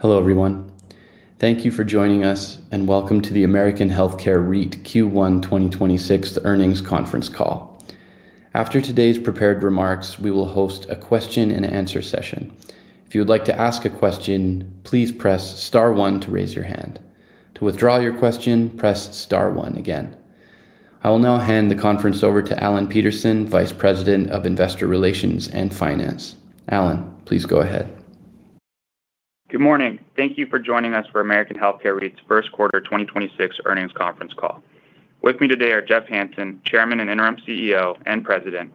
Hello, everyone. Thank you for joining us, and welcome to the American Healthcare REIT Q1 2026 Earnings Conference Call. After today's prepared remarks, we will host a question-and-answer session. If you would like to ask a question, please press star one to raise your hand. To withdraw your question, press star one again. I will now hand the conference over to Alan Peterson, Vice President of Investor Relations and Finance. Alan, please go ahead. Good morning. Thank you for joining us for American Healthcare REIT's first quarter 2026 earnings conference call. With me today are Jeffrey Hanson, Chairman and Interim CEO and President;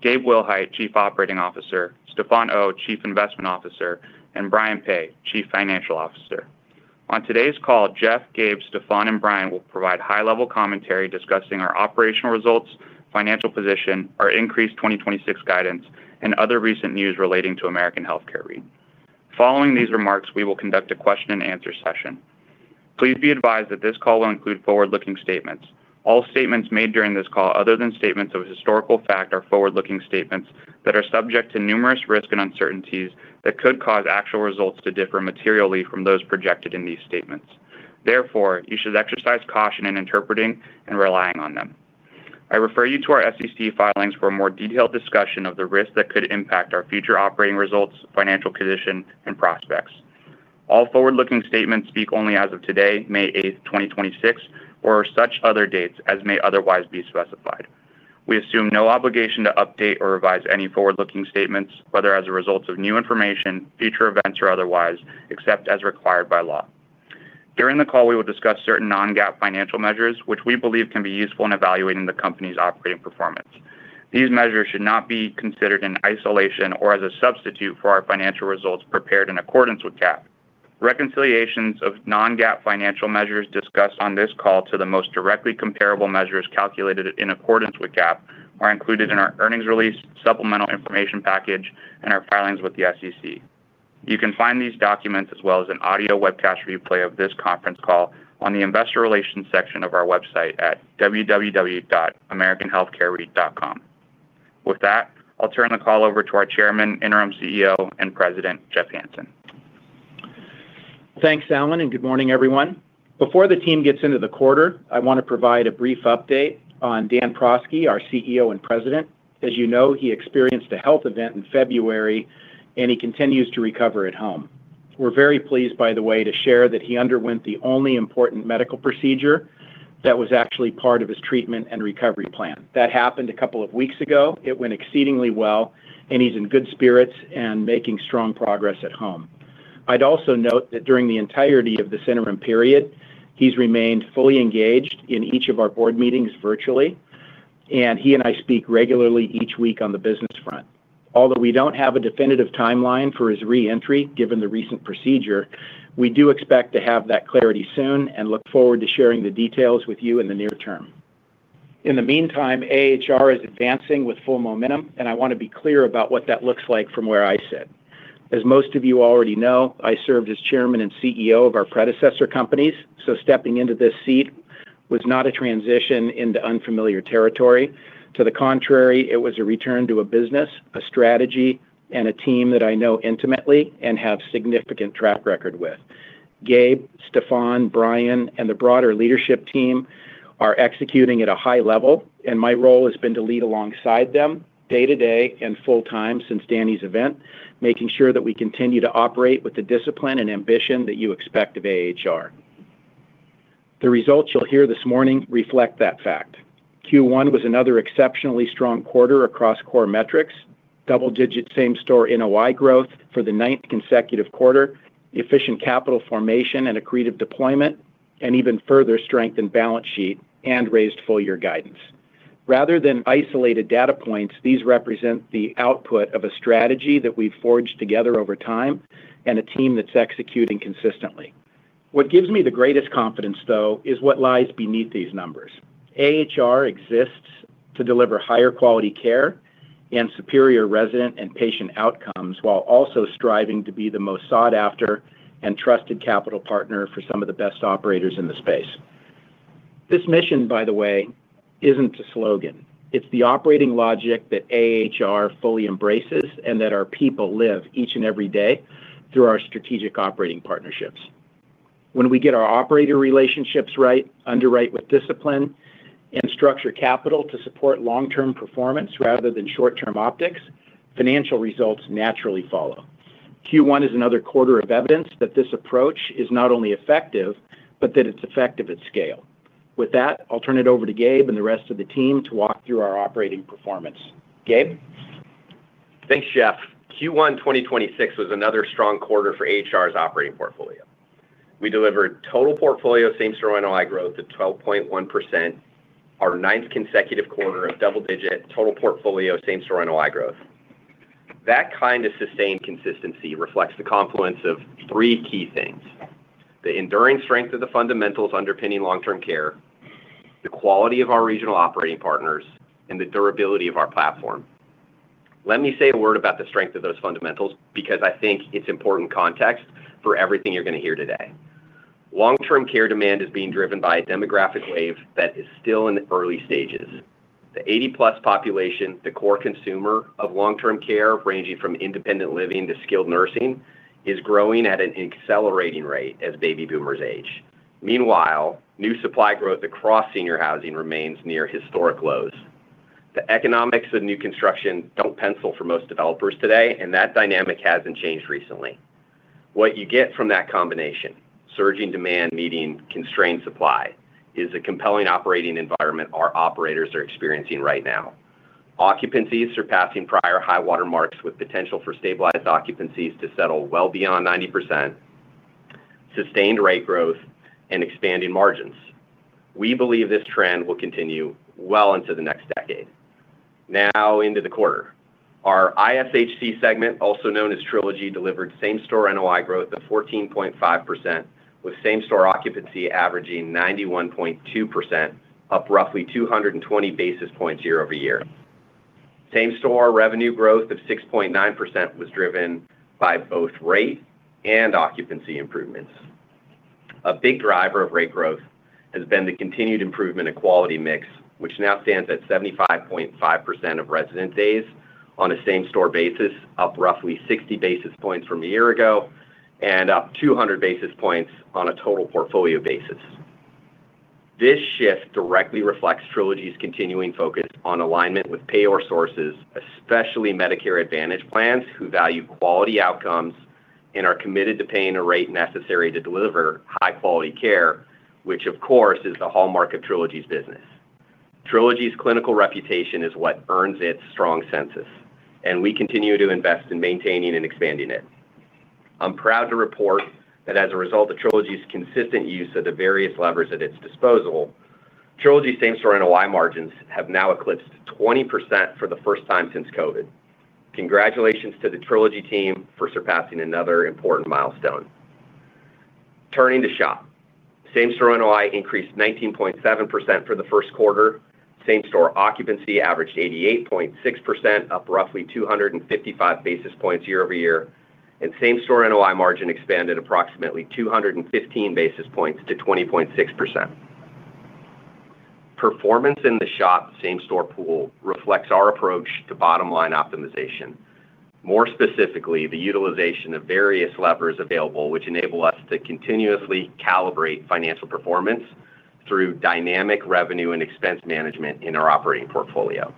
Gabe Willhite, Chief Operating Officer; Stefan Oh, Chief Investment Officer; and Brian Peay, Chief Financial Officer. On today's call, Jeff, Gabe, Stefan, and Brian will provide high-level commentary discussing our operational results, financial position, our increased 2026 guidance, and other recent news relating to American Healthcare REIT. Following these remarks, we will conduct a question-and-answer session. Please be advised that this call will include forward-looking statements. All statements made during this call, other than statements of historical fact, are forward-looking statements that are subject to numerous risks and uncertainties that could cause actual results to differ materially from those projected in these statements. Therefore, you should exercise caution in interpreting and relying on them. I refer you to our SEC filings for a more detailed discussion of the risks that could impact our future operating results, financial position, and prospects. All forward-looking statements speak only as of today, May 8th, 2026, or such other dates as may otherwise be specified. We assume no obligation to update or revise any forward-looking statements, whether as a result of new information, future events, or otherwise, except as required by law. During the call, we will discuss certain non-GAAP financial measures which we believe can be useful in evaluating the company's operating performance. These measures should not be considered in isolation or as a substitute for our financial results prepared in accordance with GAAP. Reconciliations of non-GAAP financial measures discussed on this call to the most directly comparable measures calculated in accordance with GAAP are included in our earnings release, supplemental information package, and our filings with the SEC. You can find these documents as well as an audio webcast replay of this conference call on the Investor Relations section of our website at www.americanhealthcarereit.com. With that, I'll turn the call over to our Chairman, Interim CEO, and President, Jeffrey Hanson. Thanks, Alan, and good morning, everyone. Before the team gets into the quarter, I want to provide a brief update on Danny Prosky, our CEO and President. As you know, he experienced a health event in February, and he continues to recover at home. We're very pleased, by the way, to share that he underwent the only important medical procedure that was actually part of his treatment and recovery plan. That happened a couple of weeks ago. It went exceedingly well, and he's in good spirits and making strong progress at home. I'd also note that during the entirety of this interim period, he's remained fully engaged in each of our board meetings virtually, and he and I speak regularly each week on the business front. Although we don't have a definitive timeline for his re-entry, given the recent procedure, we do expect to have that clarity soon and look forward to sharing the details with you in the near term. In the meantime, AHR is advancing with full momentum, and I want to be clear about what that looks like from where I sit. As most of you already know, I served as chairman and CEO of our predecessor companies, stepping into this seat was not a transition into unfamiliar territory. To the contrary, it was a return to a business, a strategy, and a team that I know intimately and have significant track record with. Gabe, Stefan, Brian, and the broader leadership team are executing at a high level, and my role has been to lead alongside them day-to-day and full-time since Danny's event, making sure that we continue to operate with the discipline and ambition that you expect of AHR. The results you'll hear this morning reflect that fact. Q1 was another exceptionally strong quarter across core metrics, double-digit same-store NOI growth for the ninth consecutive quarter, efficient capital formation and accretive deployment, and even further strengthened balance sheet and raised full-year guidance. Rather than isolated data points, these represent the output of a strategy that we've forged together over time and a team that's executing consistently. What gives me the greatest confidence, though, is what lies beneath these numbers. AHR exists to deliver higher quality care and superior resident and patient outcomes while also striving to be the most sought-after and trusted capital partner for some of the best operators in the space. This mission, by the way, isn't a slogan. It's the operating logic that AHR fully embraces and that our people live each and every day through our strategic operating partnerships. When we get our operator relationships right, underwrite with discipline, and structure capital to support long-term performance rather than short-term optics, financial results naturally follow. Q1 is another quarter of evidence that this approach is not only effective, but that it's effective at scale. With that, I'll turn it over to Gabe and the rest of the team to walk through our operating performance. Gabe? Thanks, Jeff. Q1 2026 was another strong quarter for AHR's operating portfolio. We delivered total portfolio same-store NOI growth at 12.1%, our 9th consecutive quarter of double-digit total portfolio same-store NOI growth. That kind of sustained consistency reflects the confluence of three key things: the enduring strength of the fundamentals underpinning long-term care, the quality of our regional operating partners, and the durability of our platform. Let me say a word about the strength of those fundamentals, because I think it's important context for everything you're going to hear today. Long-term care demand is being driven by a demographic wave that is still in the early stages. The 80+ population, the core consumer of long-term care, ranging from independent living to skilled nursing, is growing at an accelerating rate as baby boomers age. Meanwhile, new supply growth across senior housing remains near historic lows. The economics of new construction don't pencil for most developers today, and that dynamic hasn't changed recently. What you get from that combination, surging demand meeting constrained supply, is a compelling operating environment our operators are experiencing right now. Occupancies surpassing prior high water marks with potential for stabilized occupancies to settle well beyond 90%, sustained rate growth, and expanding margins. We believe this trend will continue well into the next decade. Now into the quarter. Our ISHC segment, also known as Trilogy, delivered same-store NOI growth of 14.5%, with same-store occupancy averaging 91.2%, up roughly 220 basis points year-over-year. Same-store revenue growth of 6.9% was driven by both rate and occupancy improvements. A big driver of rate growth has been the continued improvement of quality mix, which now stands at 75.5% of resident days on a same-store basis, up roughly 60 basis points from a year ago and up 200 basis points on a total portfolio basis. This shift directly reflects Trilogy's continuing focus on alignment with payor sources, especially Medicare Advantage plans, who value quality outcomes and are committed to paying a rate necessary to deliver high-quality care, which, of course, is the hallmark of Trilogy's business. Trilogy's clinical reputation is what earns its strong census, and we continue to invest in maintaining and expanding it. I'm proud to report that as a result of Trilogy's consistent use of the various levers at its disposal, Trilogy same-store NOI margins have now eclipsed 20% for the first time since COVID. Congratulations to the Trilogy team for surpassing another important milestone. Turning to SHOP. Same-store NOI increased 19.7% for the first quarter. Same-store occupancy averaged 88.6%, up roughly 255 basis points year-over-year. Same-store NOI margin expanded approximately 215 basis points to 20.6%. Performance in the SHOP same-store pool reflects our approach to bottom line optimization. More specifically, the utilization of various levers available, which enable us to continuously calibrate financial performance through dynamic revenue and expense management in our operating portfolio.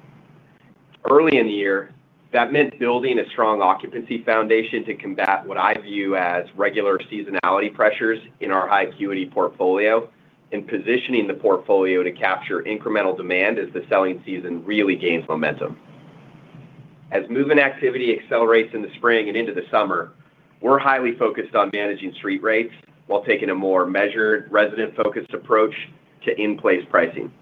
Early in the year, that meant building a strong occupancy foundation to combat what I view as regular seasonality pressures in our high acuity portfolio and positioning the portfolio to capture incremental demand as the selling season really gains momentum. As movement activity accelerates in the spring and into the summer, we're highly focused on managing street rates while taking a more measured, resident-focused approach to in-place pricing.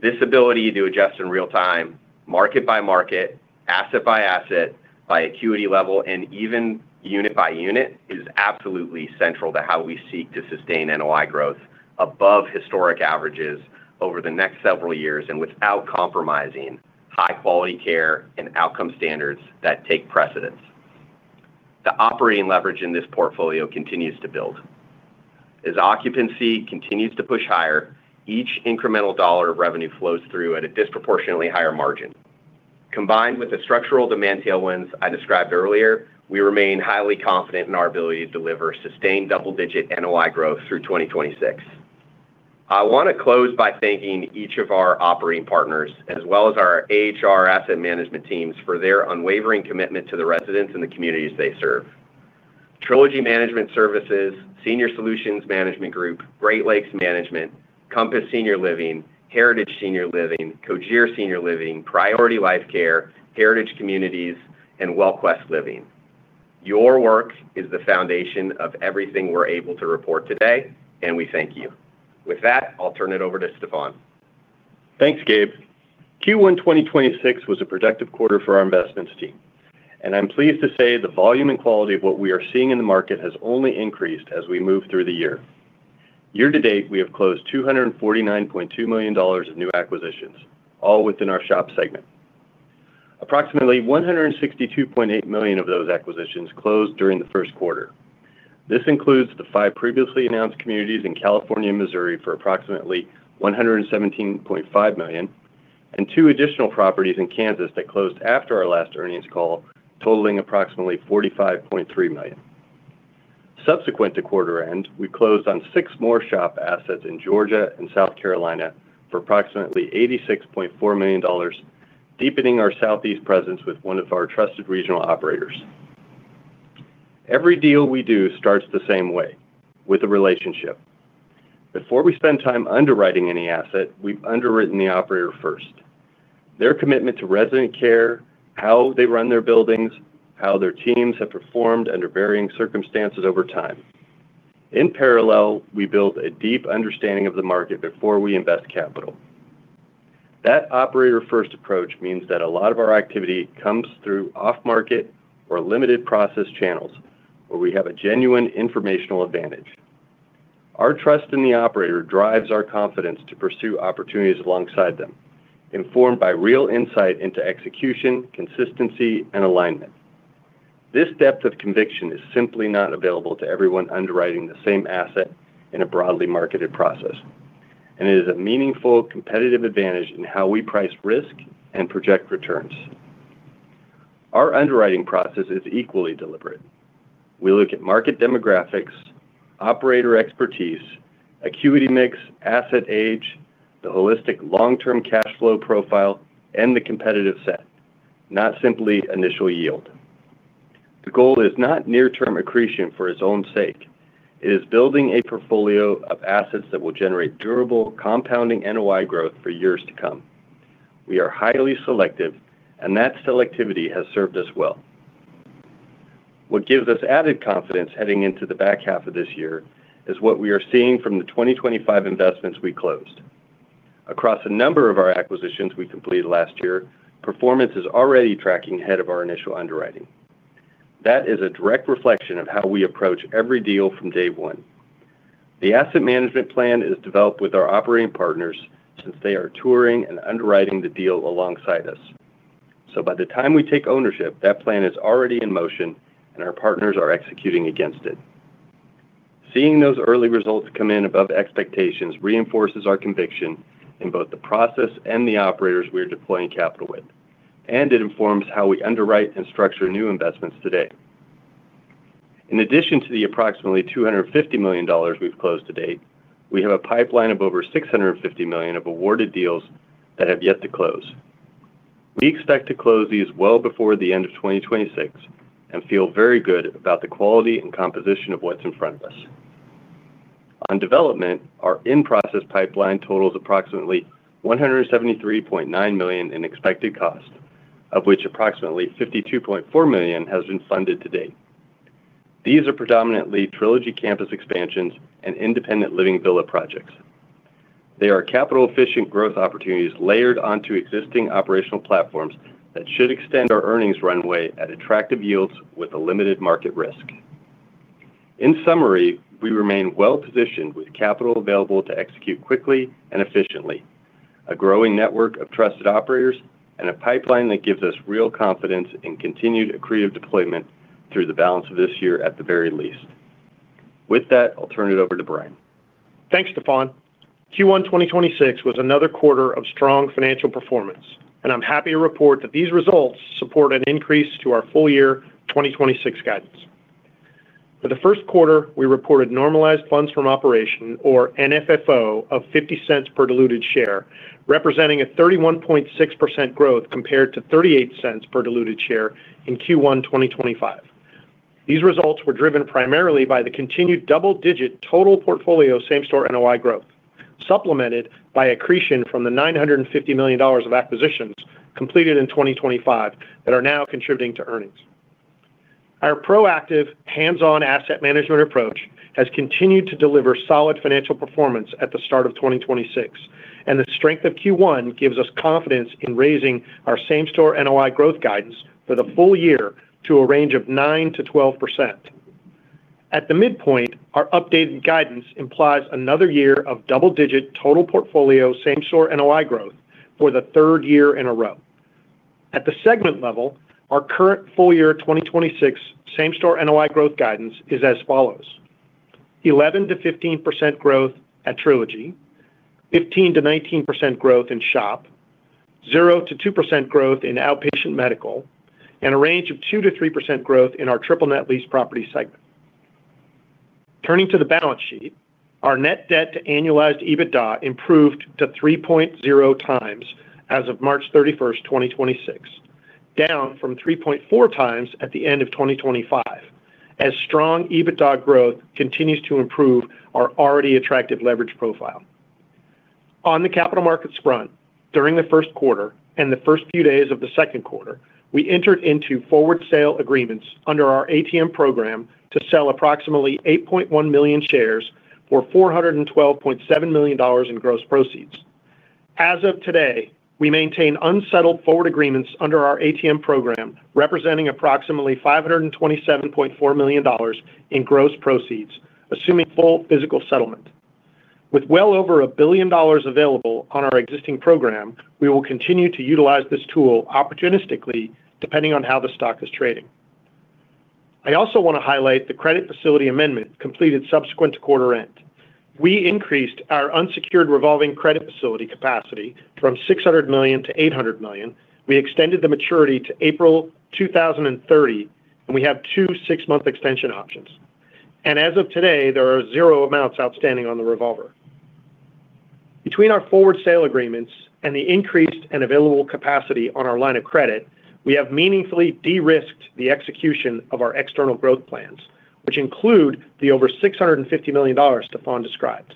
This ability to adjust in real time, market by market, asset by asset, by acuity level, and even unit by unit, is absolutely central to how we seek to sustain NOI growth above historic averages over the next several years and without compromising high-quality care and outcome standards that take precedence. The operating leverage in this portfolio continues to build. As occupancy continues to push higher, each incremental dollar of revenue flows through at a disproportionately higher margin. Combined with the structural demand tailwinds I described earlier, we remain highly confident in our ability to deliver sustained double-digit NOI growth through 2026. I want to close by thanking each of our operating partners, as well as our AHR asset management teams for their unwavering commitment to the residents and the communities they serve. Trilogy Management Services, Senior Solutions Management Group, Great Lakes Management, Compass Senior Living, Heritage Senior Living, Cogir Senior Living, Priority Life Care, Heritage Communities, and WellQuest Living. Your work is the foundation of everything we're able to report today, and we thank you. With that, I'll turn it over to Stefan. Thanks, Gabe. Q1 2026 was a productive quarter for our investments team. I'm pleased to say the volume and quality of what we are seeing in the market has only increased as we move through the year. Year to date, we have closed $249.2 million of new acquisitions, all within our SHOP segment. Approximately $162.8 million of those acquisitions closed during the first quarter. This includes the five previously announced communities in California and Missouri for approximately $117.5 million, and two additional properties in Kansas that closed after our last earnings call, totaling approximately $45.3 million. Subsequent to quarter end, we closed on six more SHOP assets in Georgia and South Carolina for approximately $86.4 million, deepening our Southeast presence with one of our trusted regional operators. Every deal we do starts the same way, with a relationship. Before we spend time underwriting any asset, we've underwritten the operator first. Their commitment to resident care, how they run their buildings, how their teams have performed under varying circumstances over time. In parallel, we build a deep understanding of the market before we invest capital. That operator-first approach means that a lot of our activity comes through off-market or limited process channels, where we have a genuine informational advantage. Our trust in the operator drives our confidence to pursue opportunities alongside them, informed by real insight into execution, consistency, and alignment. This depth of conviction is simply not available to everyone underwriting the same asset in a broadly marketed process, and it is a meaningful competitive advantage in how we price risk and project returns. Our underwriting process is equally deliberate. We look at market demographics, operator expertise, acuity mix, asset age, the holistic long-term cash flow profile, and the competitive set, not simply initial yield. The goal is not near-term accretion for its own sake. It is building a portfolio of assets that will generate durable compounding NOI growth for years to come. We are highly selective, and that selectivity has served us well. What gives us added confidence heading into the back half of this year is what we are seeing from the 2025 investments we closed. Across a number of our acquisitions we completed last year, performance is already tracking ahead of our initial underwriting. That is a direct reflection of how we approach every deal from day one. The asset management plan is developed with our operating partners since they are touring and underwriting the deal alongside us. By the time we take ownership, that plan is already in motion, and our partners are executing against it. Seeing those early results come in above expectations reinforces our conviction in both the process and the operators we are deploying capital with, and it informs how we underwrite and structure new investments today. In addition to the approximately $250 million we've closed to date, we have a pipeline of over $650 million of awarded deals that have yet to close. We expect to close these well before the end of 2026 and feel very good about the quality and composition of what's in front of us. On development, our in-process pipeline totals approximately $173.9 million in expected cost, of which approximately $52.4 million has been funded to date. These are predominantly Trilogy campus expansions and independent living villa projects. They are capital-efficient growth opportunities layered onto existing operational platforms that should extend our earnings runway at attractive yields with a limited market risk. In summary, we remain well-positioned with capital available to execute quickly and efficiently, a growing network of trusted operators, and a pipeline that gives us real confidence in continued accretive deployment through the balance of this year at the very least. With that, I'll turn it over to Brian. Thanks, Stefan. Q1 2026 was another quarter of strong financial performance. I'm happy to report that these results support an increase to our full-year 2026 guidance. For the first quarter, we reported normalized funds from operation, or NFFO, of $0.50 per diluted share, representing a 31.6% growth compared to $0.38 per diluted share in Q1 2025. These results were driven primarily by the continued double-digit total portfolio same-store NOI growth, supplemented by accretion from the $950 million of acquisitions completed in 2025 that are now contributing to earnings. Our proactive, hands-on asset management approach has continued to deliver solid financial performance at the start of 2026. The strength of Q1 gives us confidence in raising our same-store NOI growth guidance for the full-year to a range of 9%-12%. At the midpoint, our updated guidance implies another year of double-digit total portfolio same-store NOI growth for the third year in a row. At the segment level, our current full-year 2026 same-store NOI growth guidance is as follows. 11%-15% growth at Trilogy, 15%-19% growth in SHOP, 0%-2% growth in outpatient medical, and a range of 2%-3% growth in our triple net lease property segment. Turning to the balance sheet, our net debt to annualized EBITDA improved to 3.0x as of March 31st, 2026, down from 3.4x at the end of 2025, as strong EBITDA growth continues to improve our already attractive leverage profile. On the capital markets front, during the first quarter and the first few days of the second quarter, we entered into forward sale agreements under our ATM program to sell approximately 8.1 million shares for $412.7 million in gross proceeds. As of today, we maintain unsettled forward agreements under our ATM program representing approximately $527.4 million in gross proceeds, assuming full physical settlement. With well over $1 billion available on our existing program, we will continue to utilize this tool opportunistically depending on how the stock is trading. I also want to highlight the credit facility amendment completed subsequent to quarter end. We increased our unsecured revolving credit facility capacity from $600 million-$800 million. We extended the maturity to April 2030, and we have two six-month extension options. As of today, there are 0 amounts outstanding on the revolver. Between our forward sale agreements and the increased and available capacity on our line of credit, we have meaningfully de-risked the execution of our external growth plans, which include the over $650 million Stefan described.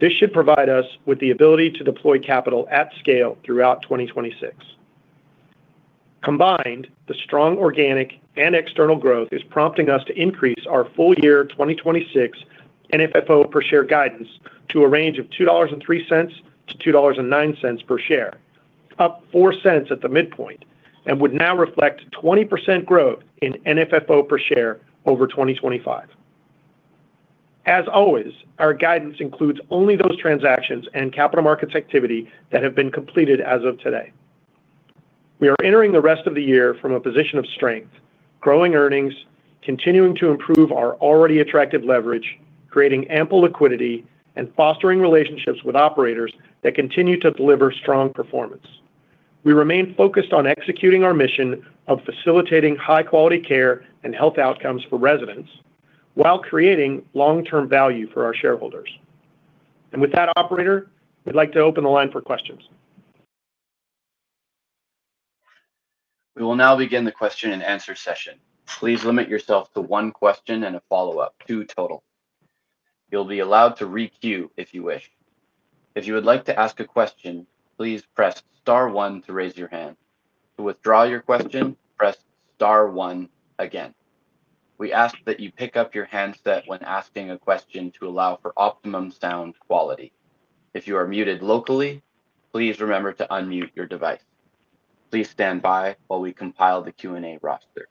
This should provide us with the ability to deploy capital at scale throughout 2026. Combined, the strong organic and external growth is prompting us to increase our full-year 2026 NFFO per share guidance to a range of $2.03-$2.09 per share, up $0.04 at the midpoint, and would now reflect 20% growth in NFFO per share over 2025. As always, our guidance includes only those transactions and capital markets activity that have been completed as of today. We are entering the rest of the year from a position of strength, growing earnings, continuing to improve our already attractive leverage, creating ample liquidity, and fostering relationships with operators that continue to deliver strong performance. We remain focused on executing our mission of facilitating high-quality care and health outcomes for residents while creating long-term value for our shareholders. With that, operator, we'd like to open the line for questions. We will now begin the question-and-answer session. Please limit yourself to one question and a follow-up, two total. You'll be allowed to re-queue if you wish. If you would like to ask a question, please press star one to raise your hand. To withdraw your question, press star one again. We ask that you pick up your handset when asking a question to allow for optimum sound quality. If you are muted locally, please remember to unmute your device. Please stand by while we compile the Q&A roster.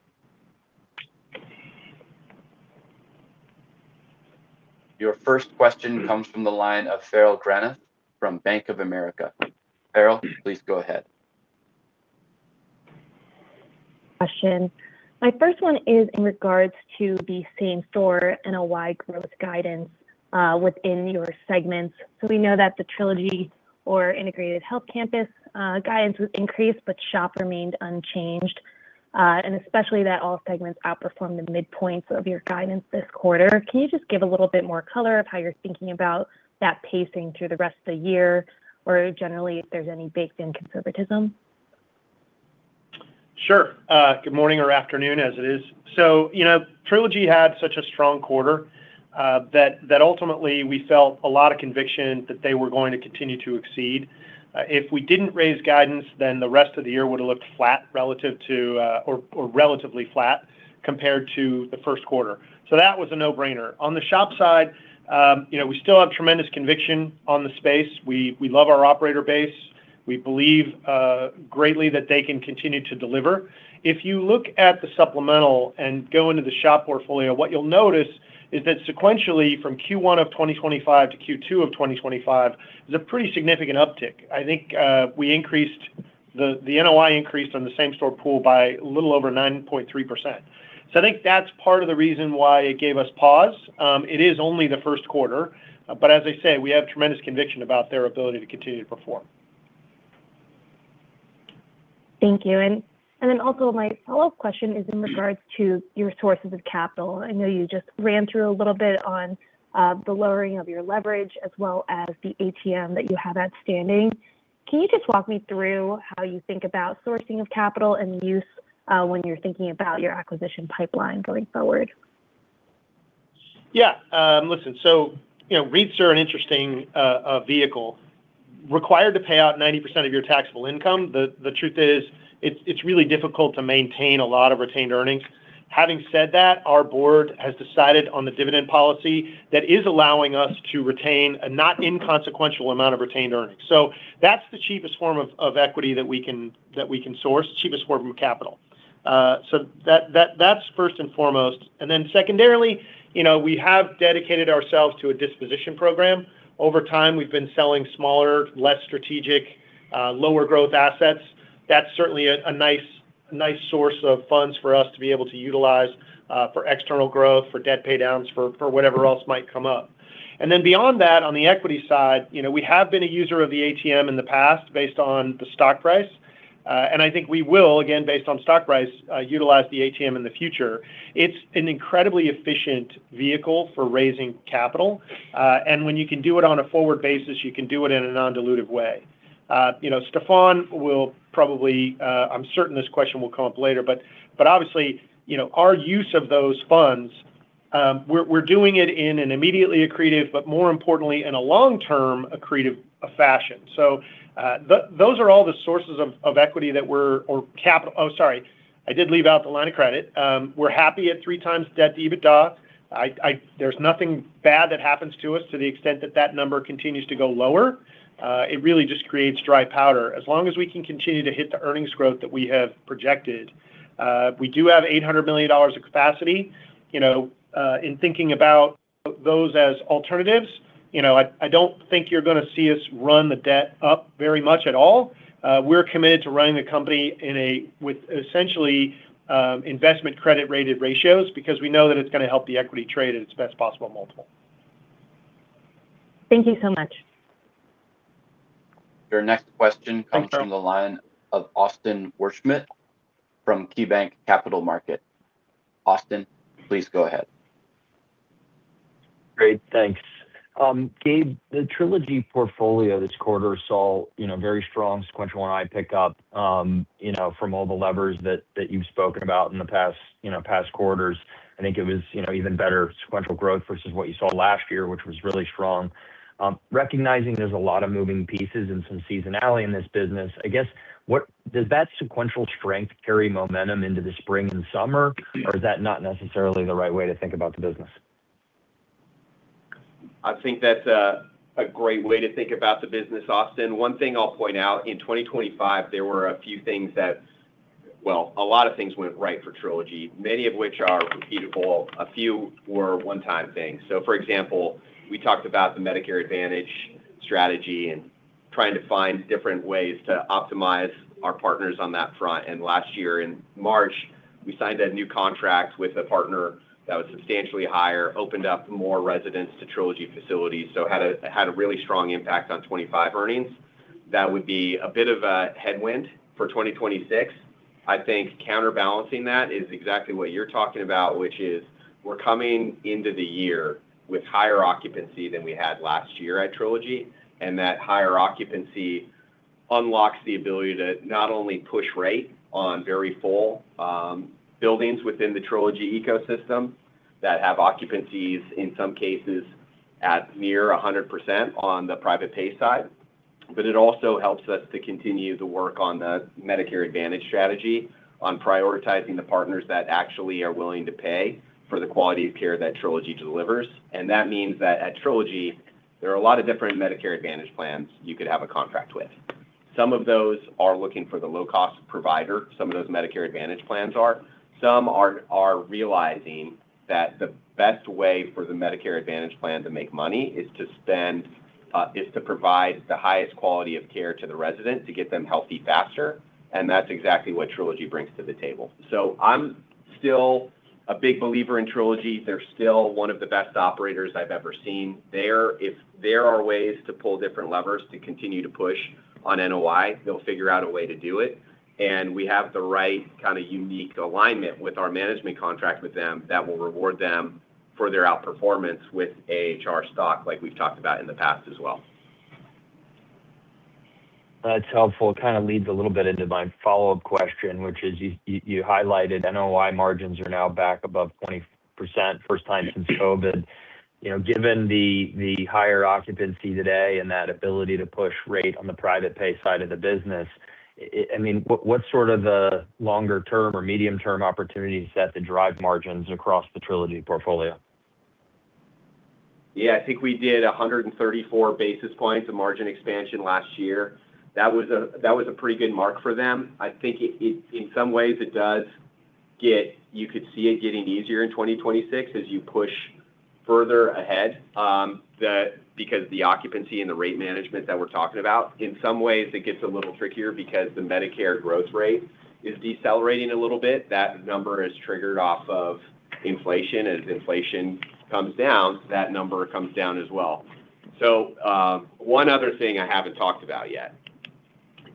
Your first question comes from the line of Farrell Granath from Bank of America. Farrell, please go ahead. Question. My first one is in regards to the same-store NOI growth guidance within your segments. We know that the Trilogy or Integrated Health Campus guidance was increased, but SHOP remained unchanged, and especially that all segments outperformed the midpoints of your guidance this quarter. Can you just give a little bit more color of how you're thinking about that pacing through the rest of the year, or generally if there's any baked-in conservatism? Sure. Good morning or afternoon as it is. You know, Trilogy had such a strong quarter that ultimately we felt a lot of conviction that they were going to continue to exceed. If we didn't raise guidance, then the rest of the year would've looked flat relative to or relatively flat compared to the first quarter. That was a no-brainer. On the SHOP side, you know, we still have tremendous conviction on the space. We love our operator base. We believe greatly that they can continue to deliver. If you look at the supplemental and go into the SHOP portfolio, what you'll notice is that sequentially from Q1 of 2025 to Q2 of 2025 is a pretty significant uptick. I think the NOI increased on the same store pool by a little over 9.3%. I think that's part of the reason why it gave us pause. It is only the first quarter, but as I say, we have tremendous conviction about their ability to continue to perform. Thank you. Then also my follow-up question is in regards to your sources of capital. I know you just ran through a little bit on the lowering of your leverage as well as the ATM that you have outstanding. Can you just walk me through how you think about sourcing of capital and use when you're thinking about your acquisition pipeline going forward? Yeah. Listen, you know, REITs are an interesting vehicle. Required to pay out 90% of your taxable income, the truth is it's really difficult to maintain a lot of retained earnings. Having said that, our board has decided on the dividend policy that is allowing us to retain a not inconsequential amount of retained earnings. That's the cheapest form of equity that we can source. Cheapest form of capital. That's first and foremost. Secondarily, you know, we have dedicated ourselves to a disposition program. Over time, we've been selling smaller, less strategic, lower growth assets. That's certainly a nice source of funds for us to be able to utilize for external growth, for debt paydowns, for whatever else might come up. Beyond that, on the equity side, we have been a user of the ATM in the past based on the stock price, and I think we will, again based on stock price, utilize the ATM in the future. It's an incredibly efficient vehicle for raising capital, and when you can do it on a forward basis, you can do it in a non-dilutive way. Stefan will probably, I'm certain this question will come up later, but obviously, our use of those funds, we're doing it in an immediately accretive, but more importantly in a long-term accretive fashion. Those are all the sources of equity that we're or capital. Oh, sorry. I did leave out the line of credit. We're happy at 3x debt to EBITDA. There's nothing bad that happens to us to the extent that that number continues to go lower. It really just creates dry powder. As long as we can continue to hit the earnings growth that we have projected, we do have $800 million of capacity. You know, in thinking about those as alternatives, you know, I don't think you're gonna see us run the debt up very much at all. We're committed to running the company with essentially investment credit-rated ratios because we know that it's gonna help the equity trade at its best possible multiple. Thank you so much. Your next question. Thanks, Farrell. comes from the line of Austin Wurschmidt from KeyBanc Capital Markets. Austin, please go ahead. Great. Thanks. Gabe, the Trilogy portfolio this quarter saw, you know, very strong sequential NOI pickup, you know, from all the levers that you've spoken about in the past, you know, past quarters. I think it was, you know, even better sequential growth versus what you saw last year, which was really strong. Recognizing there's a lot of moving pieces and some seasonality in this business, I guess, what does that sequential strength carry momentum into the spring and summer? Is that not necessarily the right way to think about the business? I think that's a great way to think about the business, Austin. One thing I'll point out, in 2025, there were a few things that a lot of things went right for Trilogy, many of which are repeatable. A few were one-time things. For example, we talked about the Medicare Advantage strategy and trying to find different ways to optimize our partners on that front. Last year in March, we signed a new contract with a partner that was substantially higher, opened up more residents to Trilogy facilities. It had a really strong impact on 2025 earnings. That would be a bit of a headwind for 2026. I think counterbalancing that is exactly what you're talking about, which is we're coming into the year with higher occupancy than we had last year at Trilogy, and that higher occupancy unlocks the ability to not only push rate on very full buildings within the Trilogy ecosystem that have occupancies, in some cases, at near 100% on the private pay side. It also helps us to continue the work on the Medicare Advantage strategy on prioritizing the partners that actually are willing to pay for the quality of care that Trilogy delivers. That means that at Trilogy, there are a lot of different Medicare Advantage plans you could have a contract with. Some of those are looking for the low-cost provider, some of those Medicare Advantage plans are. Some are realizing that the best way for the Medicare Advantage plan to make money is to spend, is to provide the highest quality of care to the resident to get them healthy faster, and that's exactly what Trilogy brings to the table. I'm still a big believer in Trilogy. They're still one of the best operators I've ever seen. If there are ways to pull different levers to continue to push on NOI, they'll figure out a way to do it. We have the right kind of unique alignment with our management contract with them that will reward them for their outperformance with AHR stock like we've talked about in the past as well. That's helpful. Kind of leads a little bit into my follow-up question, which is you highlighted NOI margins are now back above 20%, first time since COVID. You know, given the higher occupancy today and that ability to push rate on the private pay side of the business, I mean, what sort of the longer-term or medium-term opportunities set to drive margins across the Trilogy portfolio? Yeah, I think we did 134 basis points of margin expansion last year. That was a pretty good mark for them. I think in some ways, you could see it getting easier in 2026 as you push further ahead because the occupancy and the rate management that we're talking about. It gets a little trickier because the Medicare growth rate is decelerating a little bit. That number is triggered off of inflation. As inflation comes down, that number comes down as well. One other thing I haven't talked about yet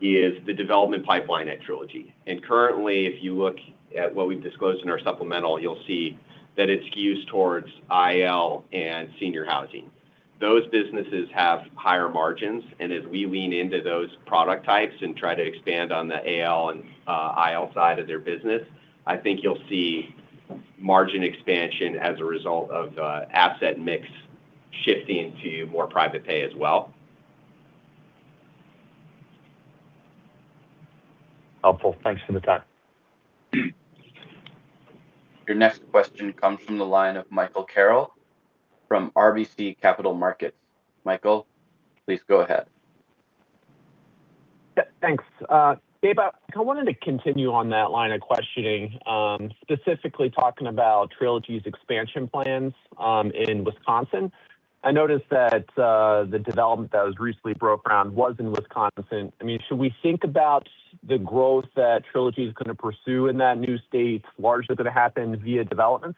is the development pipeline at Trilogy. Currently, if you look at what we've disclosed in our supplemental, you'll see that it skews towards IL and senior housing. Those businesses have higher margins, and as we lean into those product types and try to expand on the AL and IL side of their business, I think you'll see margin expansion as a result of asset mix shifting to more private pay as well. Helpful. Thanks for the time. Your next question comes from the line of Michael Carroll from RBC Capital Markets. Michael, please go ahead. Thanks. Gabe, I wanted to continue on that line of questioning, specifically talking about Trilogy's expansion plans in Wisconsin. I noticed that the development that was recently broke ground was in Wisconsin. I mean, should we think about the growth that Trilogy is gonna pursue in that new state largely gonna happen via development?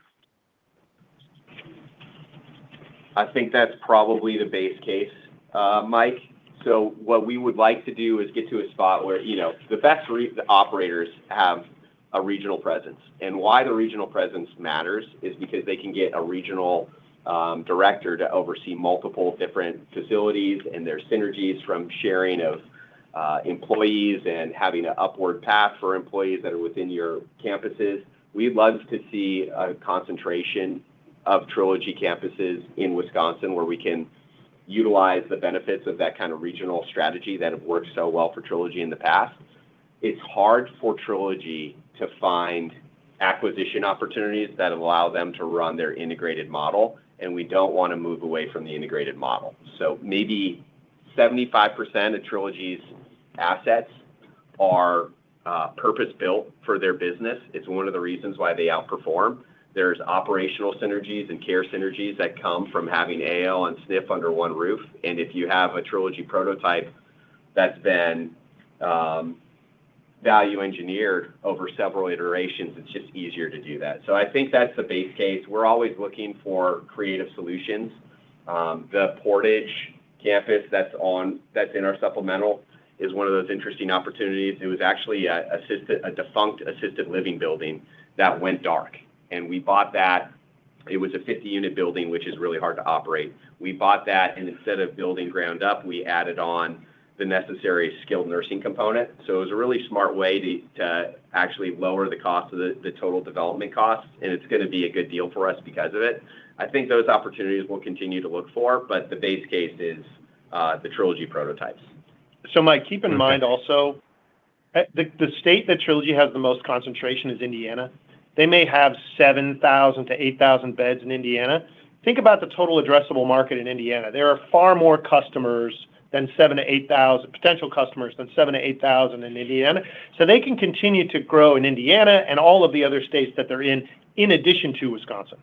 I think that's probably the base case, Mike. What we would like to do is get to a spot where, you know the best operators have a regional presence. Why the regional presence matters is because they can get a regional director to oversee multiple different facilities and their synergies from sharing of employees and having an upward path for employees that are within your campuses. We'd love to see a concentration of Trilogy campuses in Wisconsin where we can utilize the benefits of that kind of regional strategy that have worked so well for Trilogy in the past. It's hard for Trilogy to find acquisition opportunities that allow them to run their integrated model, and we don't wanna move away from the integrated model. Maybe 75% of Trilogy's assets are purpose-built for their business. It's one of the reasons why they outperform. There's operational synergies and care synergies that come from having AL and SNF under one roof. If you have a Trilogy prototype that's been value engineered over several iterations, it's just easier to do that. I think that's the base case. We're always looking for creative solutions. The Portage campus that's in our supplemental is one of those interesting opportunities. It was actually a defunct assisted living building that went dark, and we bought that. It was a 50-unit building, which is really hard to operate. We bought that, and instead of building ground up, we added on the necessary skilled nursing component. It was a really smart way to actually lower the cost of the total development cost, and it's gonna be a good deal for us because of it. I think those opportunities we'll continue to look for, but the base case is the Trilogy prototypes. Mike, keep in mind also, the state that Trilogy has the most concentration is Indiana. They may have 7,000-8,000 beds in Indiana. Think about the total addressable market in Indiana. There are far more customers than 7,000-8,000, potential customers than 7,000-8,000 in Indiana. They can continue to grow in Indiana and all of the other states that they're in addition to Wisconsin.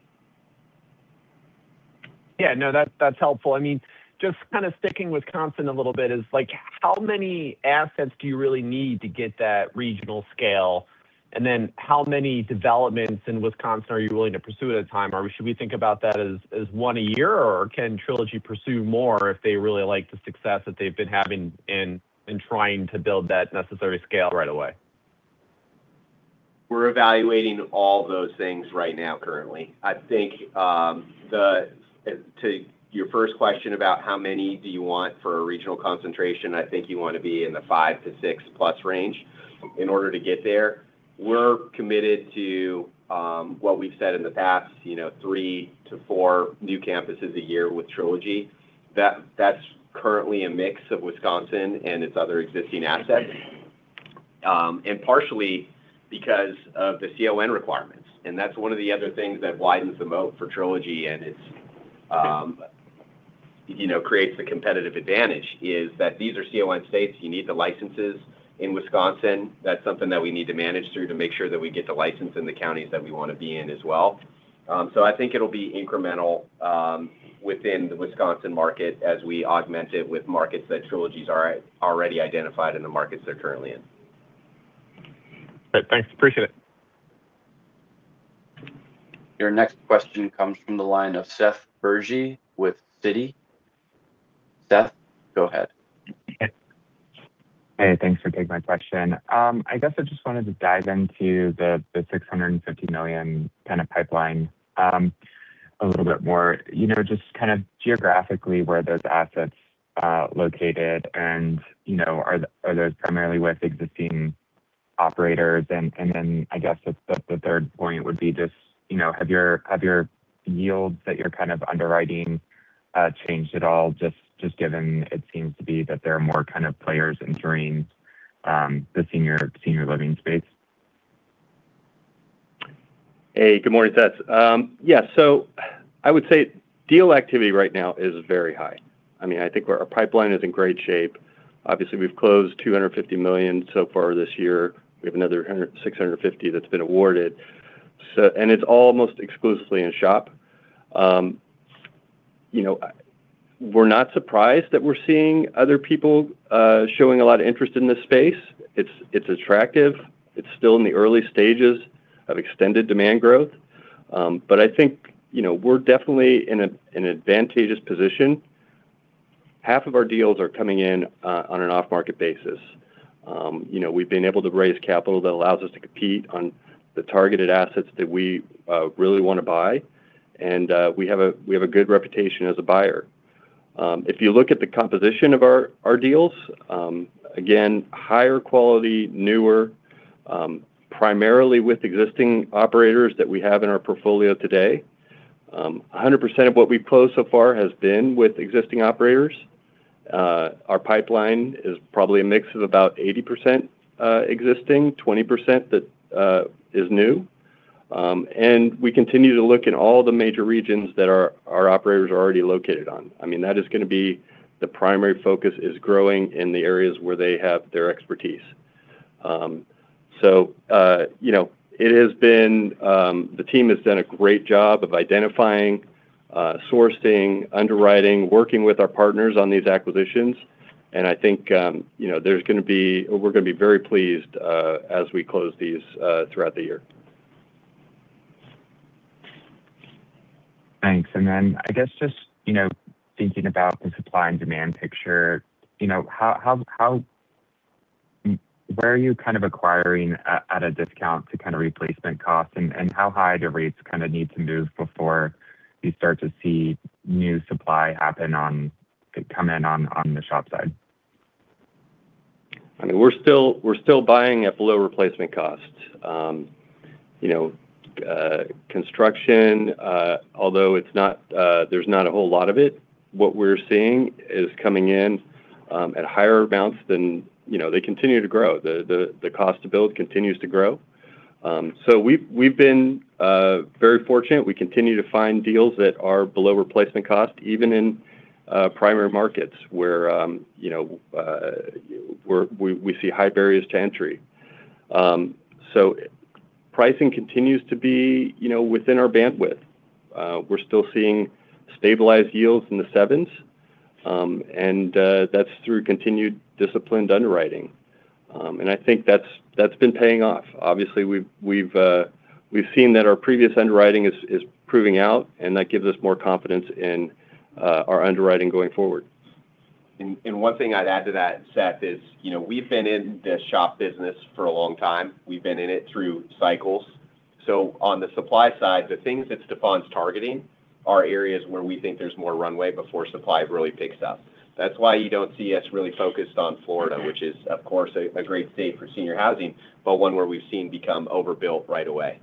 Yeah, no, that's helpful. I mean, just kind of sticking Wisconsin a little bit is like, how many assets do you really need to get that regional scale? Then how many developments in Wisconsin are you willing to pursue at a time? Should we think about that as one a year? Can Trilogy pursue more if they really like the success that they've been having in trying to build that necessary scale right away? We're evaluating all those things right now currently. I think, to your first question about how many do you want for a regional concentration, I think you wanna be in the 5-6+ range in order to get there. We're committed to what we've said in the past, you know, 3-4 new campuses a year with Trilogy. That's currently a mix of Wisconsin and its other existing assets, and partially because of the CON requirements. That's one of the other things that widens the moat for Trilogy, and it's, you know, creates the competitive advantage is that these are CON states. You need the licenses in Wisconsin. That's something that we need to manage through to make sure that we get the license in the counties that we wanna be in as well. I think it'll be incremental within the Wisconsin market as we augment it with markets that Trilogy's already identified in the markets they're currently in. Great. Thanks. Appreciate it. Your next question comes from the line of Seth Bergey with Citi. Seth, go ahead. Hey, thanks for taking my question. I guess I just wanted to dive into the $650 million kind of pipeline a little bit more. You know, just kind of geographically where those assets are located and, you know, are those primarily with existing operators? Then I guess the third point would be just, you know, have your yields that you're kind of underwriting changed at all, just given it seems to be that there are more kind of players entering the senior living space? Hey, good morning, Seth. I would say deal activity right now is very high. I mean, I think our pipeline is in great shape. Obviously, we've closed $250 million so far this year. We have another $650 million that's been awarded. It's almost exclusively in SHOP. You know, we're not surprised that we're seeing other people showing a lot of interest in this space. It's attractive. It's still in the early stages of extended demand growth. I think, you know, we're definitely in an advantageous position. Half of our deals are coming in on an off-market basis. You know, we've been able to raise capital that allows us to compete on the targeted assets that we really wanna buy. We have a good reputation as a buyer. If you look at the composition of our deals, again, higher quality, newer, primarily with existing operators that we have in our portfolio today. 100% of what we've closed so far has been with existing operators. Our pipeline is probably a mix of about 80% existing, 20% that is new. We continue to look in all the major regions that our operators are already located on. I mean, that is gonna be the primary focus is growing in the areas where they have their expertise. So, you know, it has been, the team has done a great job of identifying, sourcing, underwriting, working with our partners on these acquisitions. I think, you know, we're gonna be very pleased as we close these throughout the year. Thanks. I guess just, you know, thinking about the supply and demand picture, you know, where are you kind of acquiring at a discount to kind of replacement costs? How high do rates kinda need to move before you start to see new supply come in on the SHOP side? I mean, we're still buying at below replacement cost. You know, construction, although it's not, there's not a whole lot of it, what we're seeing is coming in at higher amounts than, you know, they continue to grow. The cost to build continues to grow. We've been very fortunate. We continue to find deals that are below replacement cost, even in primary markets where, you know, we see high barriers to entry. Pricing continues to be, you know, within our bandwidth. We're still seeing stabilized yields in the sevens, that's through continued disciplined underwriting. I think that's been paying off. Obviously, we've seen that our previous underwriting is proving out. That gives us more confidence in our underwriting going forward. One thing I'd add to that, Seth, is, you know, we've been in the SHOP business for a long time. We've been in it through cycles. On the supply side, the things that Stefan's targeting are areas where we think there's more runway before supply really picks up. That's why you don't see us really focused on Florida, which is, of course, a great state for senior housing, but one where we've seen become overbuilt right away.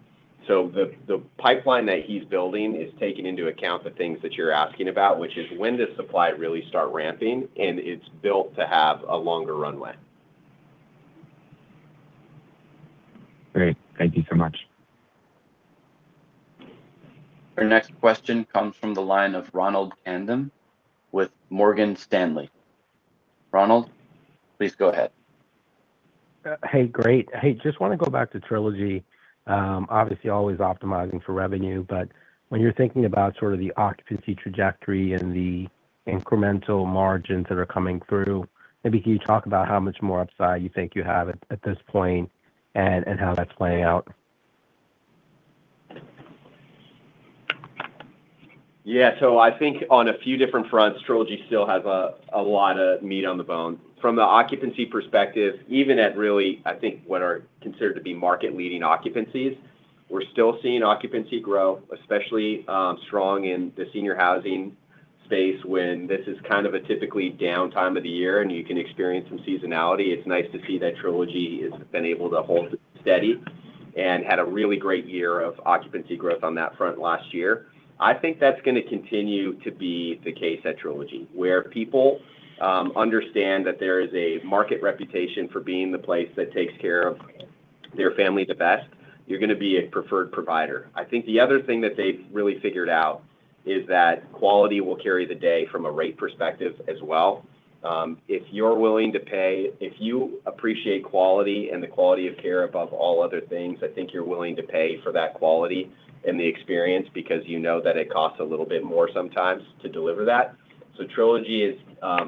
The pipeline that he's building is taking into account the things that you're asking about, which is when does supply really start ramping, and it's built to have a longer runway. Great. Thank you so much. Our next question comes from the line of Ronald Kamdem with Morgan Stanley. Ronald, please go ahead. Hey, great. Hey, just wanna go back to Trilogy. Obviously always optimizing for revenue, when you're thinking about sort of the occupancy trajectory and the incremental margins that are coming through, maybe can you talk about how much more upside you think you have at this point and how that's playing out? Yeah. I think on a few different fronts, Trilogy still has a lot of meat on the bone. From the occupancy perspective, even at really I think what are considered to be market leading occupancies, we're still seeing occupancy grow, especially strong in the senior housing space when this is kind of a typically downtime of the year and you can experience some seasonality. It's nice to see that Trilogy has been able to hold steady and had a really great year of occupancy growth on that front last year. I think that's gonna continue to be the case at Trilogy, where people understand that there is a market reputation for being the place that takes care of their family the best, you're gonna be a preferred provider. I think the other thing that they've really figured out is that quality will carry the day from a rate perspective as well. If you appreciate quality and the quality of care above all other things, I think you're willing to pay for that quality and the experience because you know that it costs a little bit more sometimes to deliver that. Trilogy is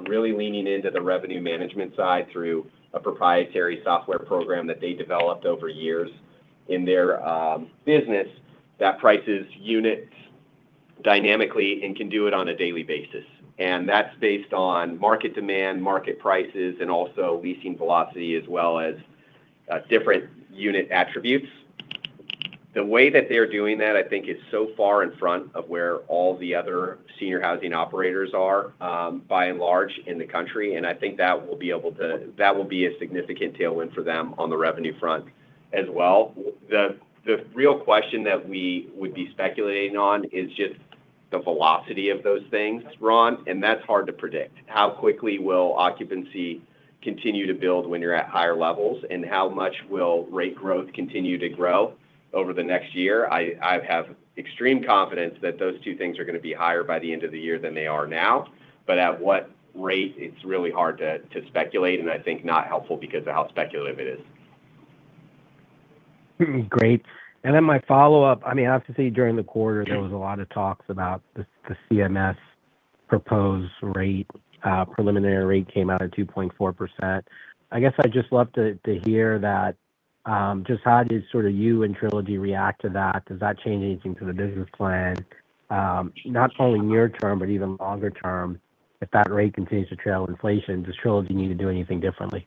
really leaning into the revenue management side through a proprietary software program that they developed over years in their business that prices units dynamically and can do it on a daily basis. That's based on market demand, market prices, and also leasing velocity as well as different unit attributes. The way that they're doing that I think is so far in front of where all the other senior housing operators are, by and large in the country. I think that will be a significant tailwind for them on the revenue front as well. The real question that we would be speculating on is just the velocity of those things, Ron. That's hard to predict. How quickly will occupancy continue to build when you're at higher levels? How much will rate growth continue to grow over the next year? I have extreme confidence that those two things are gonna be higher by the end of the year than they are now. At what rate, it's really hard to speculate and I think not helpful because of how speculative it is. Great. My follow-up, I mean, obviously during the quarter there was a lot of talks about the CMS proposed rate. Preliminary rate came out at 2.4%. I guess I'd just love to hear that, just how did sort of you and Trilogy react to that? Does that change anything to the business plan, not only near term, but even longer term if that rate continues to trail inflation? Does Trilogy need to do anything differently?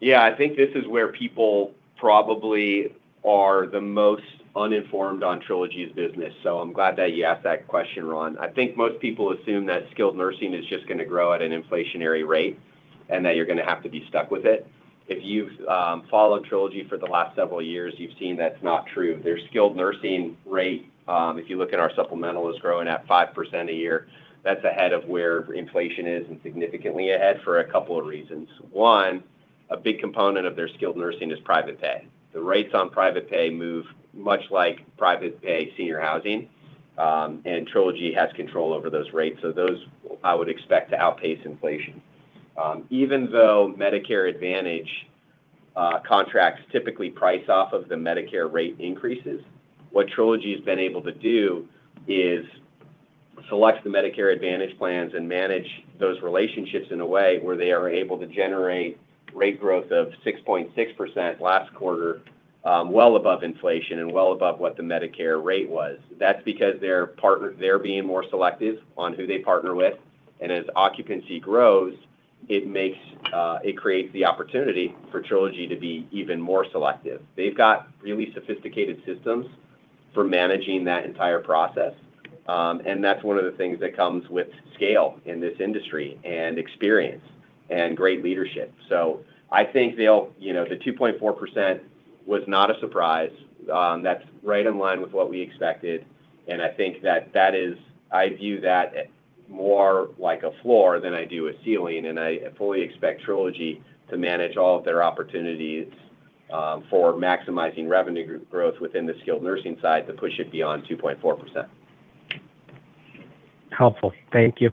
Yeah. I think this is where people probably are the most uninformed on Trilogy's business, so I'm glad that you asked that question, Ron. I think most people assume that skilled nursing is just going to grow at an inflationary rate and that you're going to have to be stuck with it. If you've followed Trilogy for the last several years, you've seen that's not true. Their skilled nursing rate, if you look at our supplemental, is growing at 5% a year. That's ahead of where inflation is, and significantly ahead for a couple of reasons. One, a big component of their skilled nursing is private pay. The rates on private pay move much like private pay senior housing, and Trilogy has control over those rates. I would expect to outpace inflation. Even though Medicare Advantage contracts typically price off of the Medicare rate increases, what Trilogy's been able to do is select the Medicare Advantage plans and manage those relationships in a way where they are able to generate rate growth of 6.6% last quarter, well above inflation and well above what the Medicare rate was. That's because they're being more selective on who they partner with. As occupancy grows, it makes, it creates the opportunity for Trilogy to be even more selective. They've got really sophisticated systems for managing that entire process. That's one of the things that comes with scale in this industry and experience and great leadership. I think they'll You know, the 2.4% was not a surprise. That's right in line with what we expected. I think I view that more like a floor than I do a ceiling. I fully expect Trilogy to manage all of their opportunities for maximizing revenue growth within the skilled nursing side to push it beyond 2.4%. Helpful. Thank you.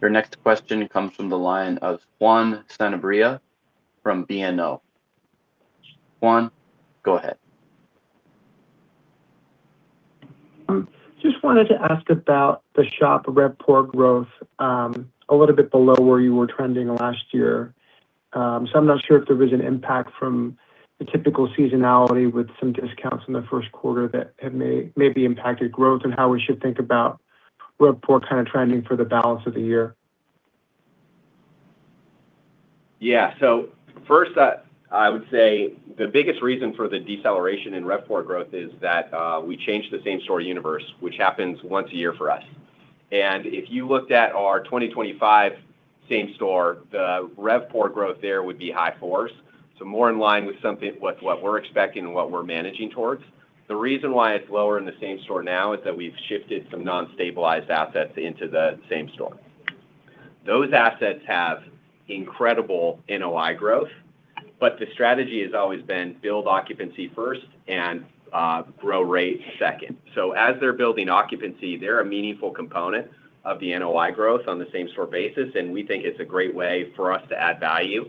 Your next question comes from the line of Juan Sanabria from BMO. Juan, go ahead. Just wanted to ask about the SHOP RevPOR growth, a little bit below where you were trending last year. I'm not sure if there was an impact from the typical seasonality with some discounts in the first quarter that had maybe impacted growth and how we should think about RevPOR kind of trending for the balance of the year. Yeah. First, I would say the biggest reason for the deceleration in RevPOR growth is that we changed the same-store universe, which happens once a year for us. If you looked at our 2025 same-store, the RevPOR growth there would be high fours. More in line with what we're expecting and what we're managing towards. The reason why it's lower in the same-store now is that we've shifted some non-stabilized assets into the same-store. Those assets have incredible NOI growth, but the strategy has always been build occupancy first and grow rate second. As they're building occupancy, they're a meaningful component of the NOI growth on the same-store basis, and we think it's a great way for us to add value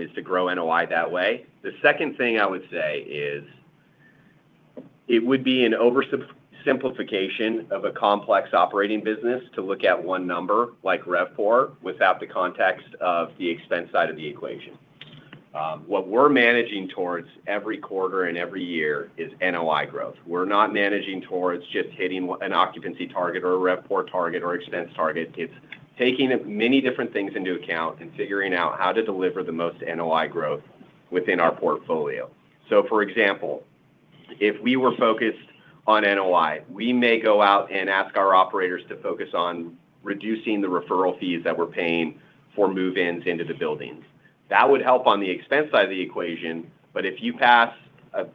is to grow NOI that way. The second thing I would say is it would be an oversimplification of a complex operating business to look at one number like RevPOR without the context of the expense side of the equation. What we're managing towards every quarter and every year is NOI growth. We're not managing towards just hitting an occupancy target or a RevPOR target or expense target. It's taking many different things into account and figuring out how to deliver the most NOI growth within our portfolio. For example, if we were focused on NOI, we may go out and ask our operators to focus on reducing the referral fees that we're paying for move-ins into the buildings. That would help on the expense side of the equation, but if you pass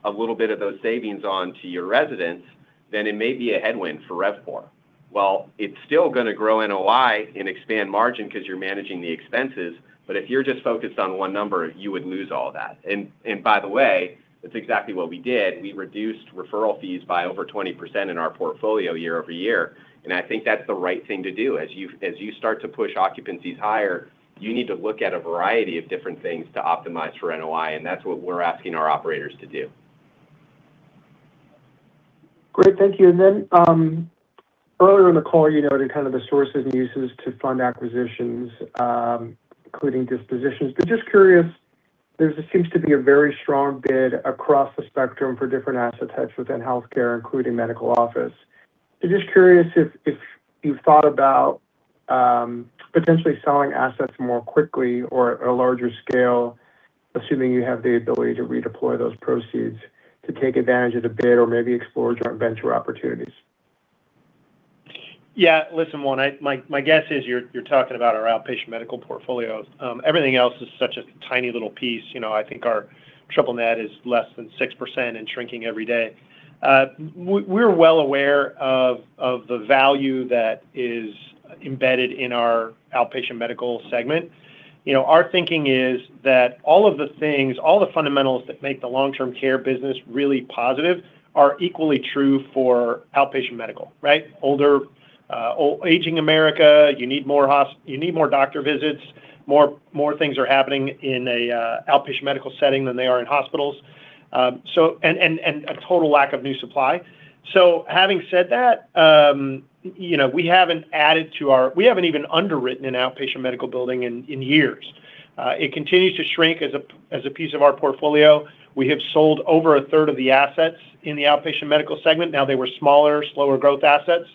a little bit of those savings on to your residents, then it may be a headwind for RevPOR. Well, it's still gonna grow NOI and expand margin 'cause you're managing the expenses, but if you're just focused on one number, you would lose all that. By the way, that's exactly what we did. We reduced referral fees by over 20% in our portfolio year-over-year. I think that's the right thing to do. As you start to push occupancies higher, you need to look at a variety of different things to optimize for NOI. That's what we're asking our operators to do. Great. Thank you. Then, earlier in the call, you noted kind of the sources and uses to fund acquisitions, including dispositions. Just curious, there seems to be a very strong bid across the spectrum for different asset types within healthcare, including medical office. Just curious if you've thought about potentially selling assets more quickly or at a larger scale, assuming you have the ability to redeploy those proceeds to take advantage of the bid or maybe explore joint venture opportunities. Yeah. Listen, Juan, my guess is you're talking about our outpatient medical portfolio. Everything else is such a tiny little piece. You know, I think our triple net is less than 6% and shrinking every day. We're well aware of the value that is embedded in our outpatient medical segment. You know, our thinking is that all of the things, all the fundamentals that make the long-term care business really positive are equally true for outpatient medical, right? Older, aging America, you need more doctor visits. More things are happening in a outpatient medical setting than they are in hospitals. And a total lack of new supply. Having said that, you know, we haven't even underwritten an outpatient medical building in years. It continues to shrink as a piece of our portfolio. We have sold over a third of the assets in the outpatient medical segment. They were smaller, slower growth assets.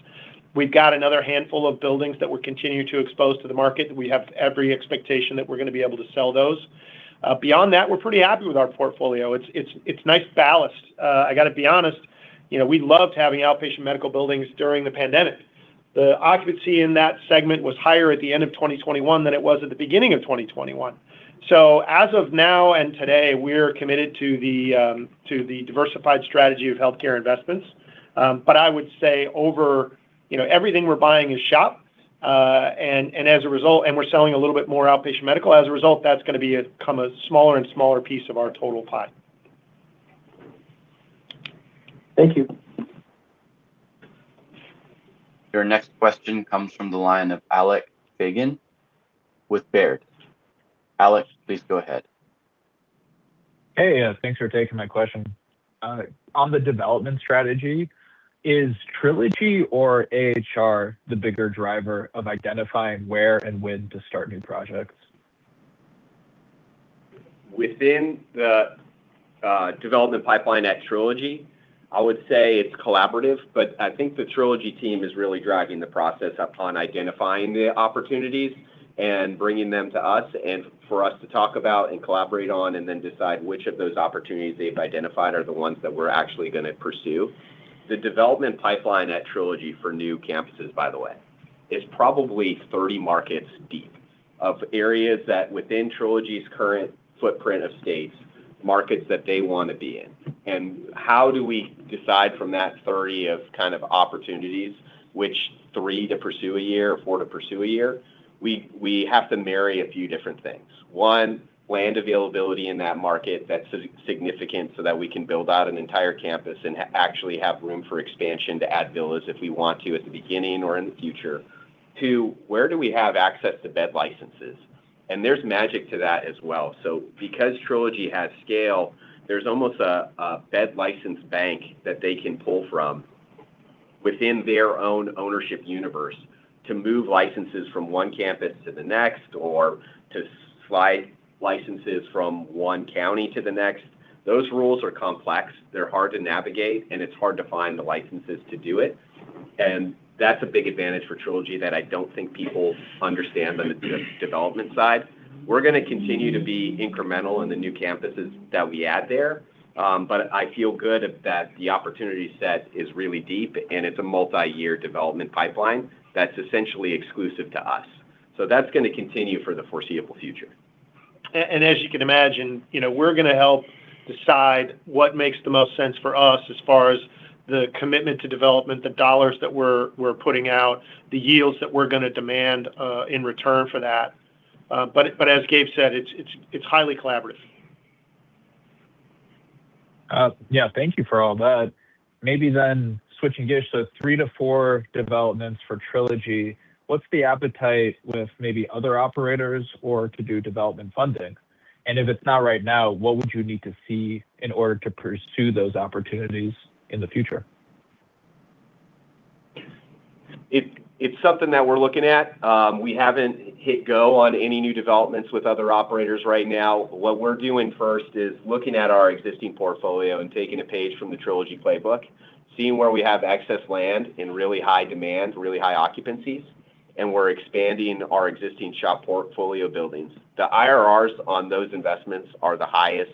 We've got another handful of buildings that we're continuing to expose to the market. We have every expectation that we're gonna be able to sell those. Beyond that, we're pretty happy with our portfolio. It's nice ballast. I gotta be honest, you know, we loved having outpatient medical buildings during the pandemic. The occupancy in that segment was higher at the end of 2021 than it was at the beginning of 2021. As of now and today, we're committed to the diversified strategy of healthcare investments. I would say over, you know, everything we're buying is SHOP. As a result, we're selling a little bit more outpatient medical. As a result, that's gonna become a smaller and smaller piece of our total pie. Thank you. Your next question comes from the line of Alex Fagan with Baird. Alex, please go ahead. Thanks for taking my question. On the development strategy, is Trilogy or AHR the bigger driver of identifying where and when to start new projects? Within the development pipeline at Trilogy, I would say it's collaborative, but I think the Trilogy team is really driving the process upon identifying the opportunities and bringing them to us and for us to talk about and collaborate on and then decide which of those opportunities they've identified are the ones that we're actually gonna pursue. The development pipeline at Trilogy for new campuses, by the way, is probably 30 markets deep of areas that within Trilogy's current footprint of states, markets that they wanna be in. How do we decide from that 30 of kind of opportunities which three to pursue a year, four to pursue a year? We have to marry a few different things. One, land availability in that market that's significant so that we can build out an entire campus and actually have room for expansion to add villas if we want to at the beginning or in the future. Two, where do we have access to bed licenses? There's magic to that as well. Because Trilogy has scale, there's almost a bed license bank that they can pull from within their own ownership universe to move licenses from one campus to the next or to slide licenses from one county to the next. Those rules are complex, they're hard to navigate, and it's hard to find the licenses to do it. That's a big advantage for Trilogy that I don't think people understand on the development side. We're gonna continue to be incremental in the new campuses that we add there. I feel good that the opportunity set is really deep, and it's a multi-year development pipeline that's essentially exclusive to us. That's gonna continue for the foreseeable future. As you can imagine, you know, we're gonna help decide what makes the most sense for us as far as the commitment to development, the dollars that we're putting out, the yields that we're gonna demand in return for that. As Gabe said, it's, it's highly collaborative. Yeah, thank you for all that. Switching gears. 3-4 developments for Trilogy, what's the appetite with maybe other operators or to do development funding? If it's not right now, what would you need to see in order to pursue those opportunities in the future? It's something that we're looking at. We haven't hit go on any new developments with other operators right now. What we're doing first is looking at our existing portfolio and taking a page from the Trilogy playbook, seeing where we have excess land in really high demand, really high occupancies, and we're expanding our existing SHOP portfolio buildings. The IRRs on those investments are the highest,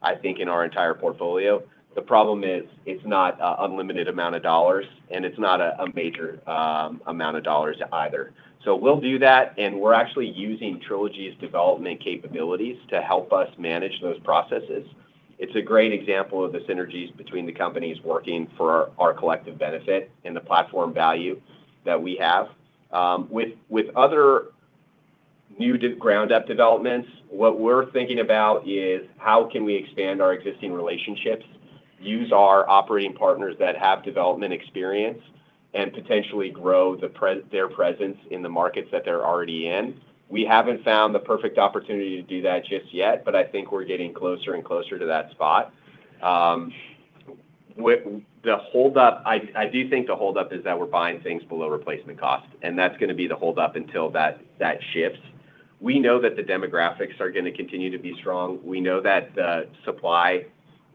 I think, in our entire portfolio. The problem is it's not an unlimited amount of dollars, and it's not a major amount of dollars either. We'll do that, and we're actually using Trilogy's development capabilities to help us manage those processes. It's a great example of the synergies between the companies working for our collective benefit and the platform value that we have. With other new ground up developments, what we're thinking about is how can we expand our existing relationships, use our operating partners that have development experience, and potentially grow their presence in the markets that they're already in. We haven't found the perfect opportunity to do that just yet, but I think we're getting closer and closer to that spot. The hold up, I do think the hold up is that we're buying things below replacement cost, and that's gonna be the hold up until that shifts. We know that the demographics are gonna continue to be strong. We know that the supply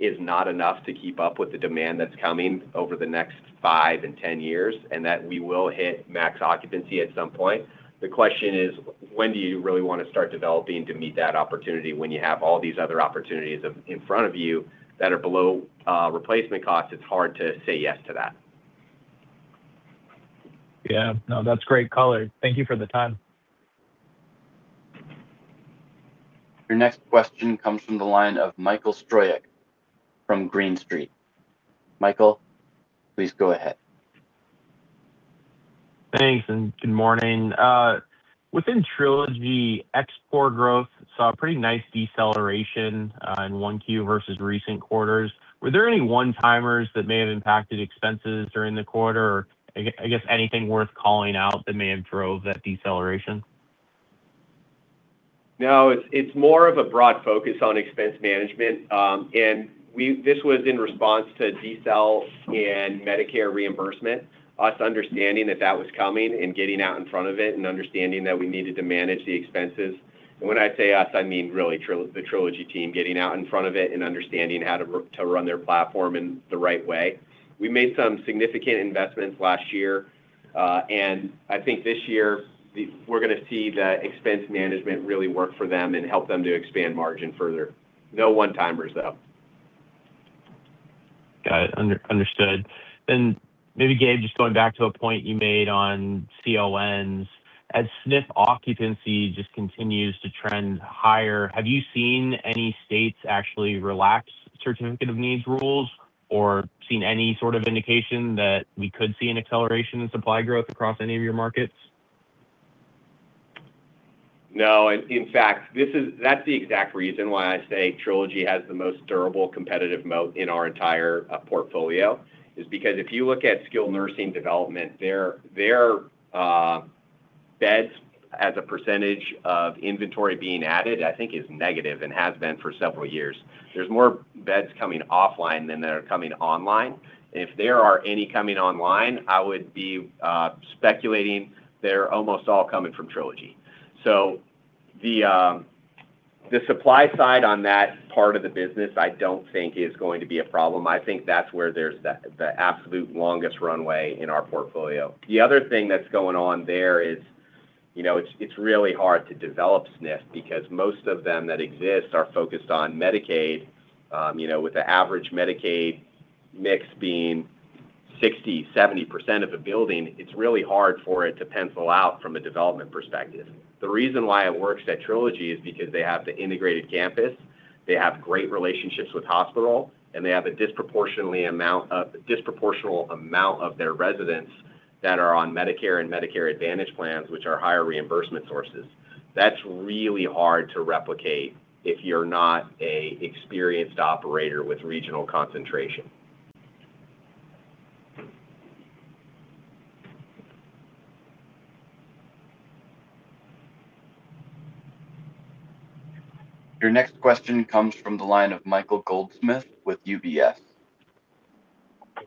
is not enough to keep up with the demand that's coming over the next five and 10 years, and that we will hit max occupancy at some point. The question is, when do you really want to start developing to meet that opportunity when you have all these other opportunities in front of you that are below replacement costs? It is hard to say yes to that. Yeah. No, that's great color. Thank you for the time. Your next question comes from the line of Michael Stroyeck from Green Street. Michael, please go ahead. Thanks. Good morning. Within Trilogy, expense growth saw a pretty nice deceleration in 1Q versus recent quarters. Were there any one-timers that may have impacted expenses during the quarter or I guess anything worth calling out that may have drove that deceleration? No, it's more of a broad focus on expense management. This was in response to DSH and Medicare reimbursement, us understanding that that was coming and getting out in front of it and understanding that we needed to manage the expenses. When I say us, I mean really the Trilogy team getting out in front of it and understanding how to run their platform in the right way. We made some significant investments last year. I think this year we're gonna see the expense management really work for them and help them to expand margin further. No one-timers, though. Got it. Understood. Maybe, Gabe, just going back to a point you made on CONs. As SNF occupancy just continues to trend higher, have you seen any states actually relax Certificate of Need rules or seen any sort of indication that we could see an acceleration in supply growth across any of your markets? No. In fact, that's the exact reason why I say Trilogy has the most durable competitive moat in our entire portfolio is because if you look at skilled nursing development, their beds as a percentage of inventory being added, I think is negative and has been for several years. There's more beds coming offline than there are coming online. If there are any coming online, I would be speculating they're almost all coming from Trilogy. The supply side on that part of the business, I don't think is going to be a problem. I think that's where there's the absolute longest runway in our portfolio. The other thing that's going on there is, you know, it's really hard to develop SNF because most of them that exist are focused on Medicaid. you know, with the average Medicaid mix being 60%, 70% of a building, it's really hard for it to pencil out from a development perspective. The reason why it works at Trilogy is because they have the integrated campus, they have great relationships with hospital, and they have a disproportional amount of their residents that are on Medicare and Medicare Advantage plans, which are higher reimbursement sources. That's really hard to replicate if you're not a experienced operator with regional concentration. Your next question comes from the line of Michael Goldsmith with UBS.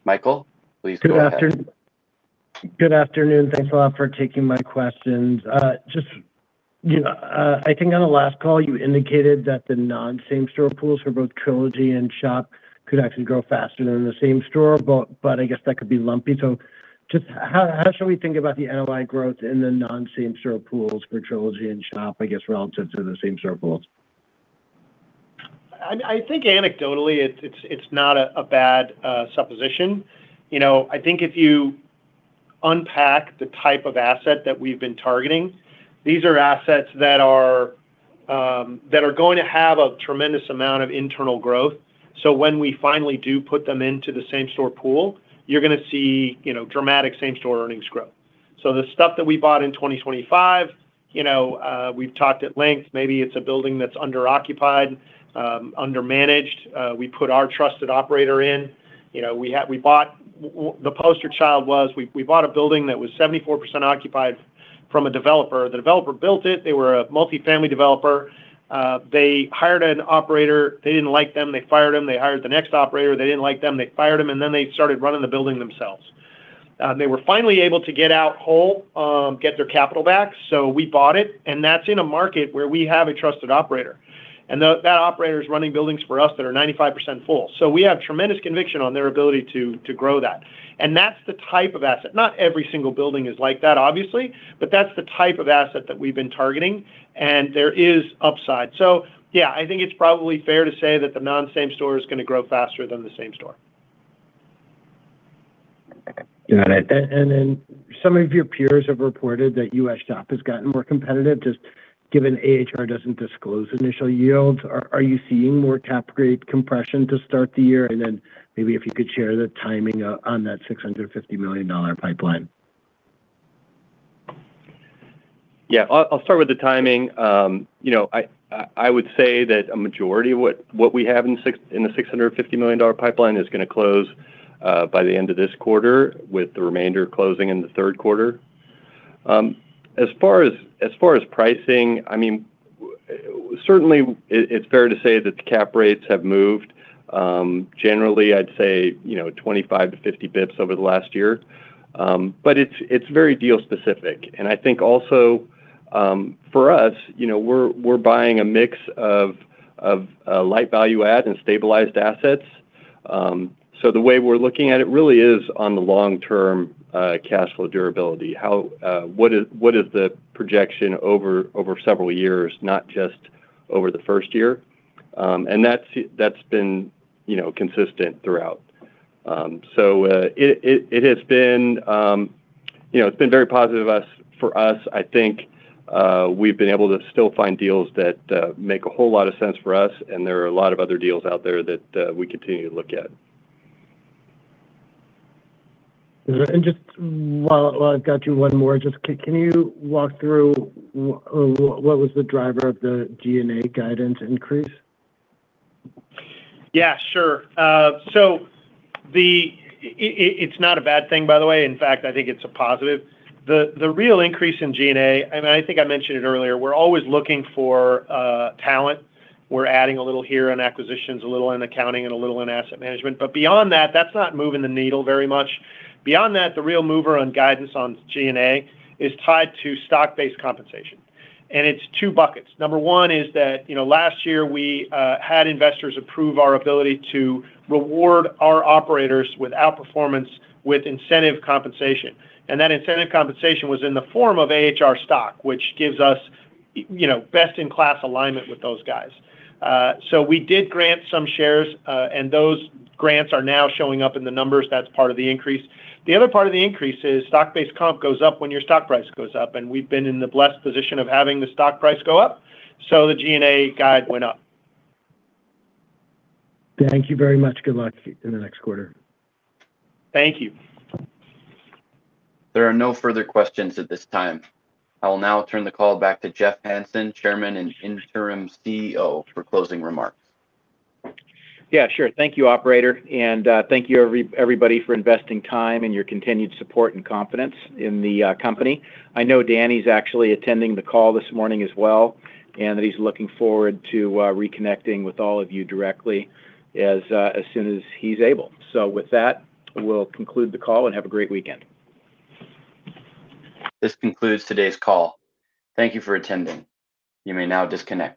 Michael, please go ahead. Good afternoon. Thanks a lot for taking my questions. Just, you know, I think on the last call you indicated that the non-same store pools for both Trilogy and SHOP could actually grow faster than the same store, but I guess that could be lumpy. Just how should we think about the NOI growth in the non-same store pools for Trilogy and SHOP, I guess relative to the same store pools? I think anecdotally it's not a bad supposition. You know, I think if you unpack the type of asset that we've been targeting, these are assets that are going to have a tremendous amount of internal growth. When we finally do put them into the same-store pool, you're gonna see, you know, dramatic same-store earnings growth. The stuff that we bought in 2025, you know, we've talked at length, maybe it's a building that's under-occupied, under-managed. We put our trusted operator in. You know, we bought the poster child was we bought a building that was 74% occupied from a developer. The developer built it. They were a multi-family developer. They hired an operator. They didn't like them, they fired them. They hired the next operator. They didn't like them, they fired them. They started running the building themselves. They were finally able to get out whole, get their capital back, so we bought it, and that's in a market where we have a trusted operator. That operator's running buildings for us that are 95% full. We have tremendous conviction on their ability to grow that. That's the type of asset. Not every single building is like that, obviously, but that's the type of asset that we've been targeting, and there is upside. Yeah, I think it's probably fair to say that the non-same-store is gonna grow faster than the same store. Got it. Some of your peers have reported that U.S. SHOP has gotten more competitive just given AHR doesn't disclose initial yields. Are you seeing more cap rate compression to start the year? Maybe if you could share the timing on that $650 million pipeline. Yeah. I'll start with the timing. You know, I would say that a majority of what we have in the $650 million pipeline is gonna close by the end of this quarter, with the remainder closing in the third quarter. As far as pricing, I mean, certainly, it's fair to say that the cap rates have moved, generally I'd say, you know, 25-50 basis points over the last year. It's very deal specific. I think also, for us, you know, we're buying a mix of light value add and stabilized assets. The way we're looking at it really is on the long-term cashflow durability. How, what is the projection over several years, not just over the first year? That's been, you know, consistent throughout. It has been, you know, it's been very positive us, for us, I think. We've been able to still find deals that make a whole lot of sense for us, and there are a lot of other deals out there that we continue to look at. Is that. Just while I've got you, one more. Just can you walk through what was the driver of the G&A guidance increase? Yeah, sure. It's not a bad thing, by the way. In fact, I think it's a positive. The real increase in G&A, I mean, I think I mentioned it earlier. We're always looking for talent. We're adding a little here in acquisitions, a little in accounting, and a little in asset management. Beyond that's not moving the needle very much. Beyond that, the real mover on guidance on G&A is tied to stock-based compensation, and it's two buckets. Number one is that, you know, last year we had investors approve our ability to reward our operators with outperformance with incentive compensation, and that incentive compensation was in the form of AHR stock, which gives us, you know, best-in-class alignment with those guys. We did grant some shares, and those grants are now showing up in the numbers. That's part of the increase. The other part of the increase is stock-based comp goes up when your stock price goes up, and we've been in the blessed position of having the stock price go up. The G&A guide went up. Thank you very much. Good luck in the next quarter. Thank you. There are no further questions at this time. I will now turn the call back to Jeffrey Hanson, Chairman and Interim CEO, for closing remarks. Yeah, sure. Thank you, operator. Thank you everybody for investing time and your continued support and confidence in the company. I know Danny's actually attending the call this morning as well, and that he's looking forward to reconnecting with all of you directly as soon as he's able. With that, we'll conclude the call, and have a great weekend. This concludes today's call. Thank you for attending. You may now disconnect.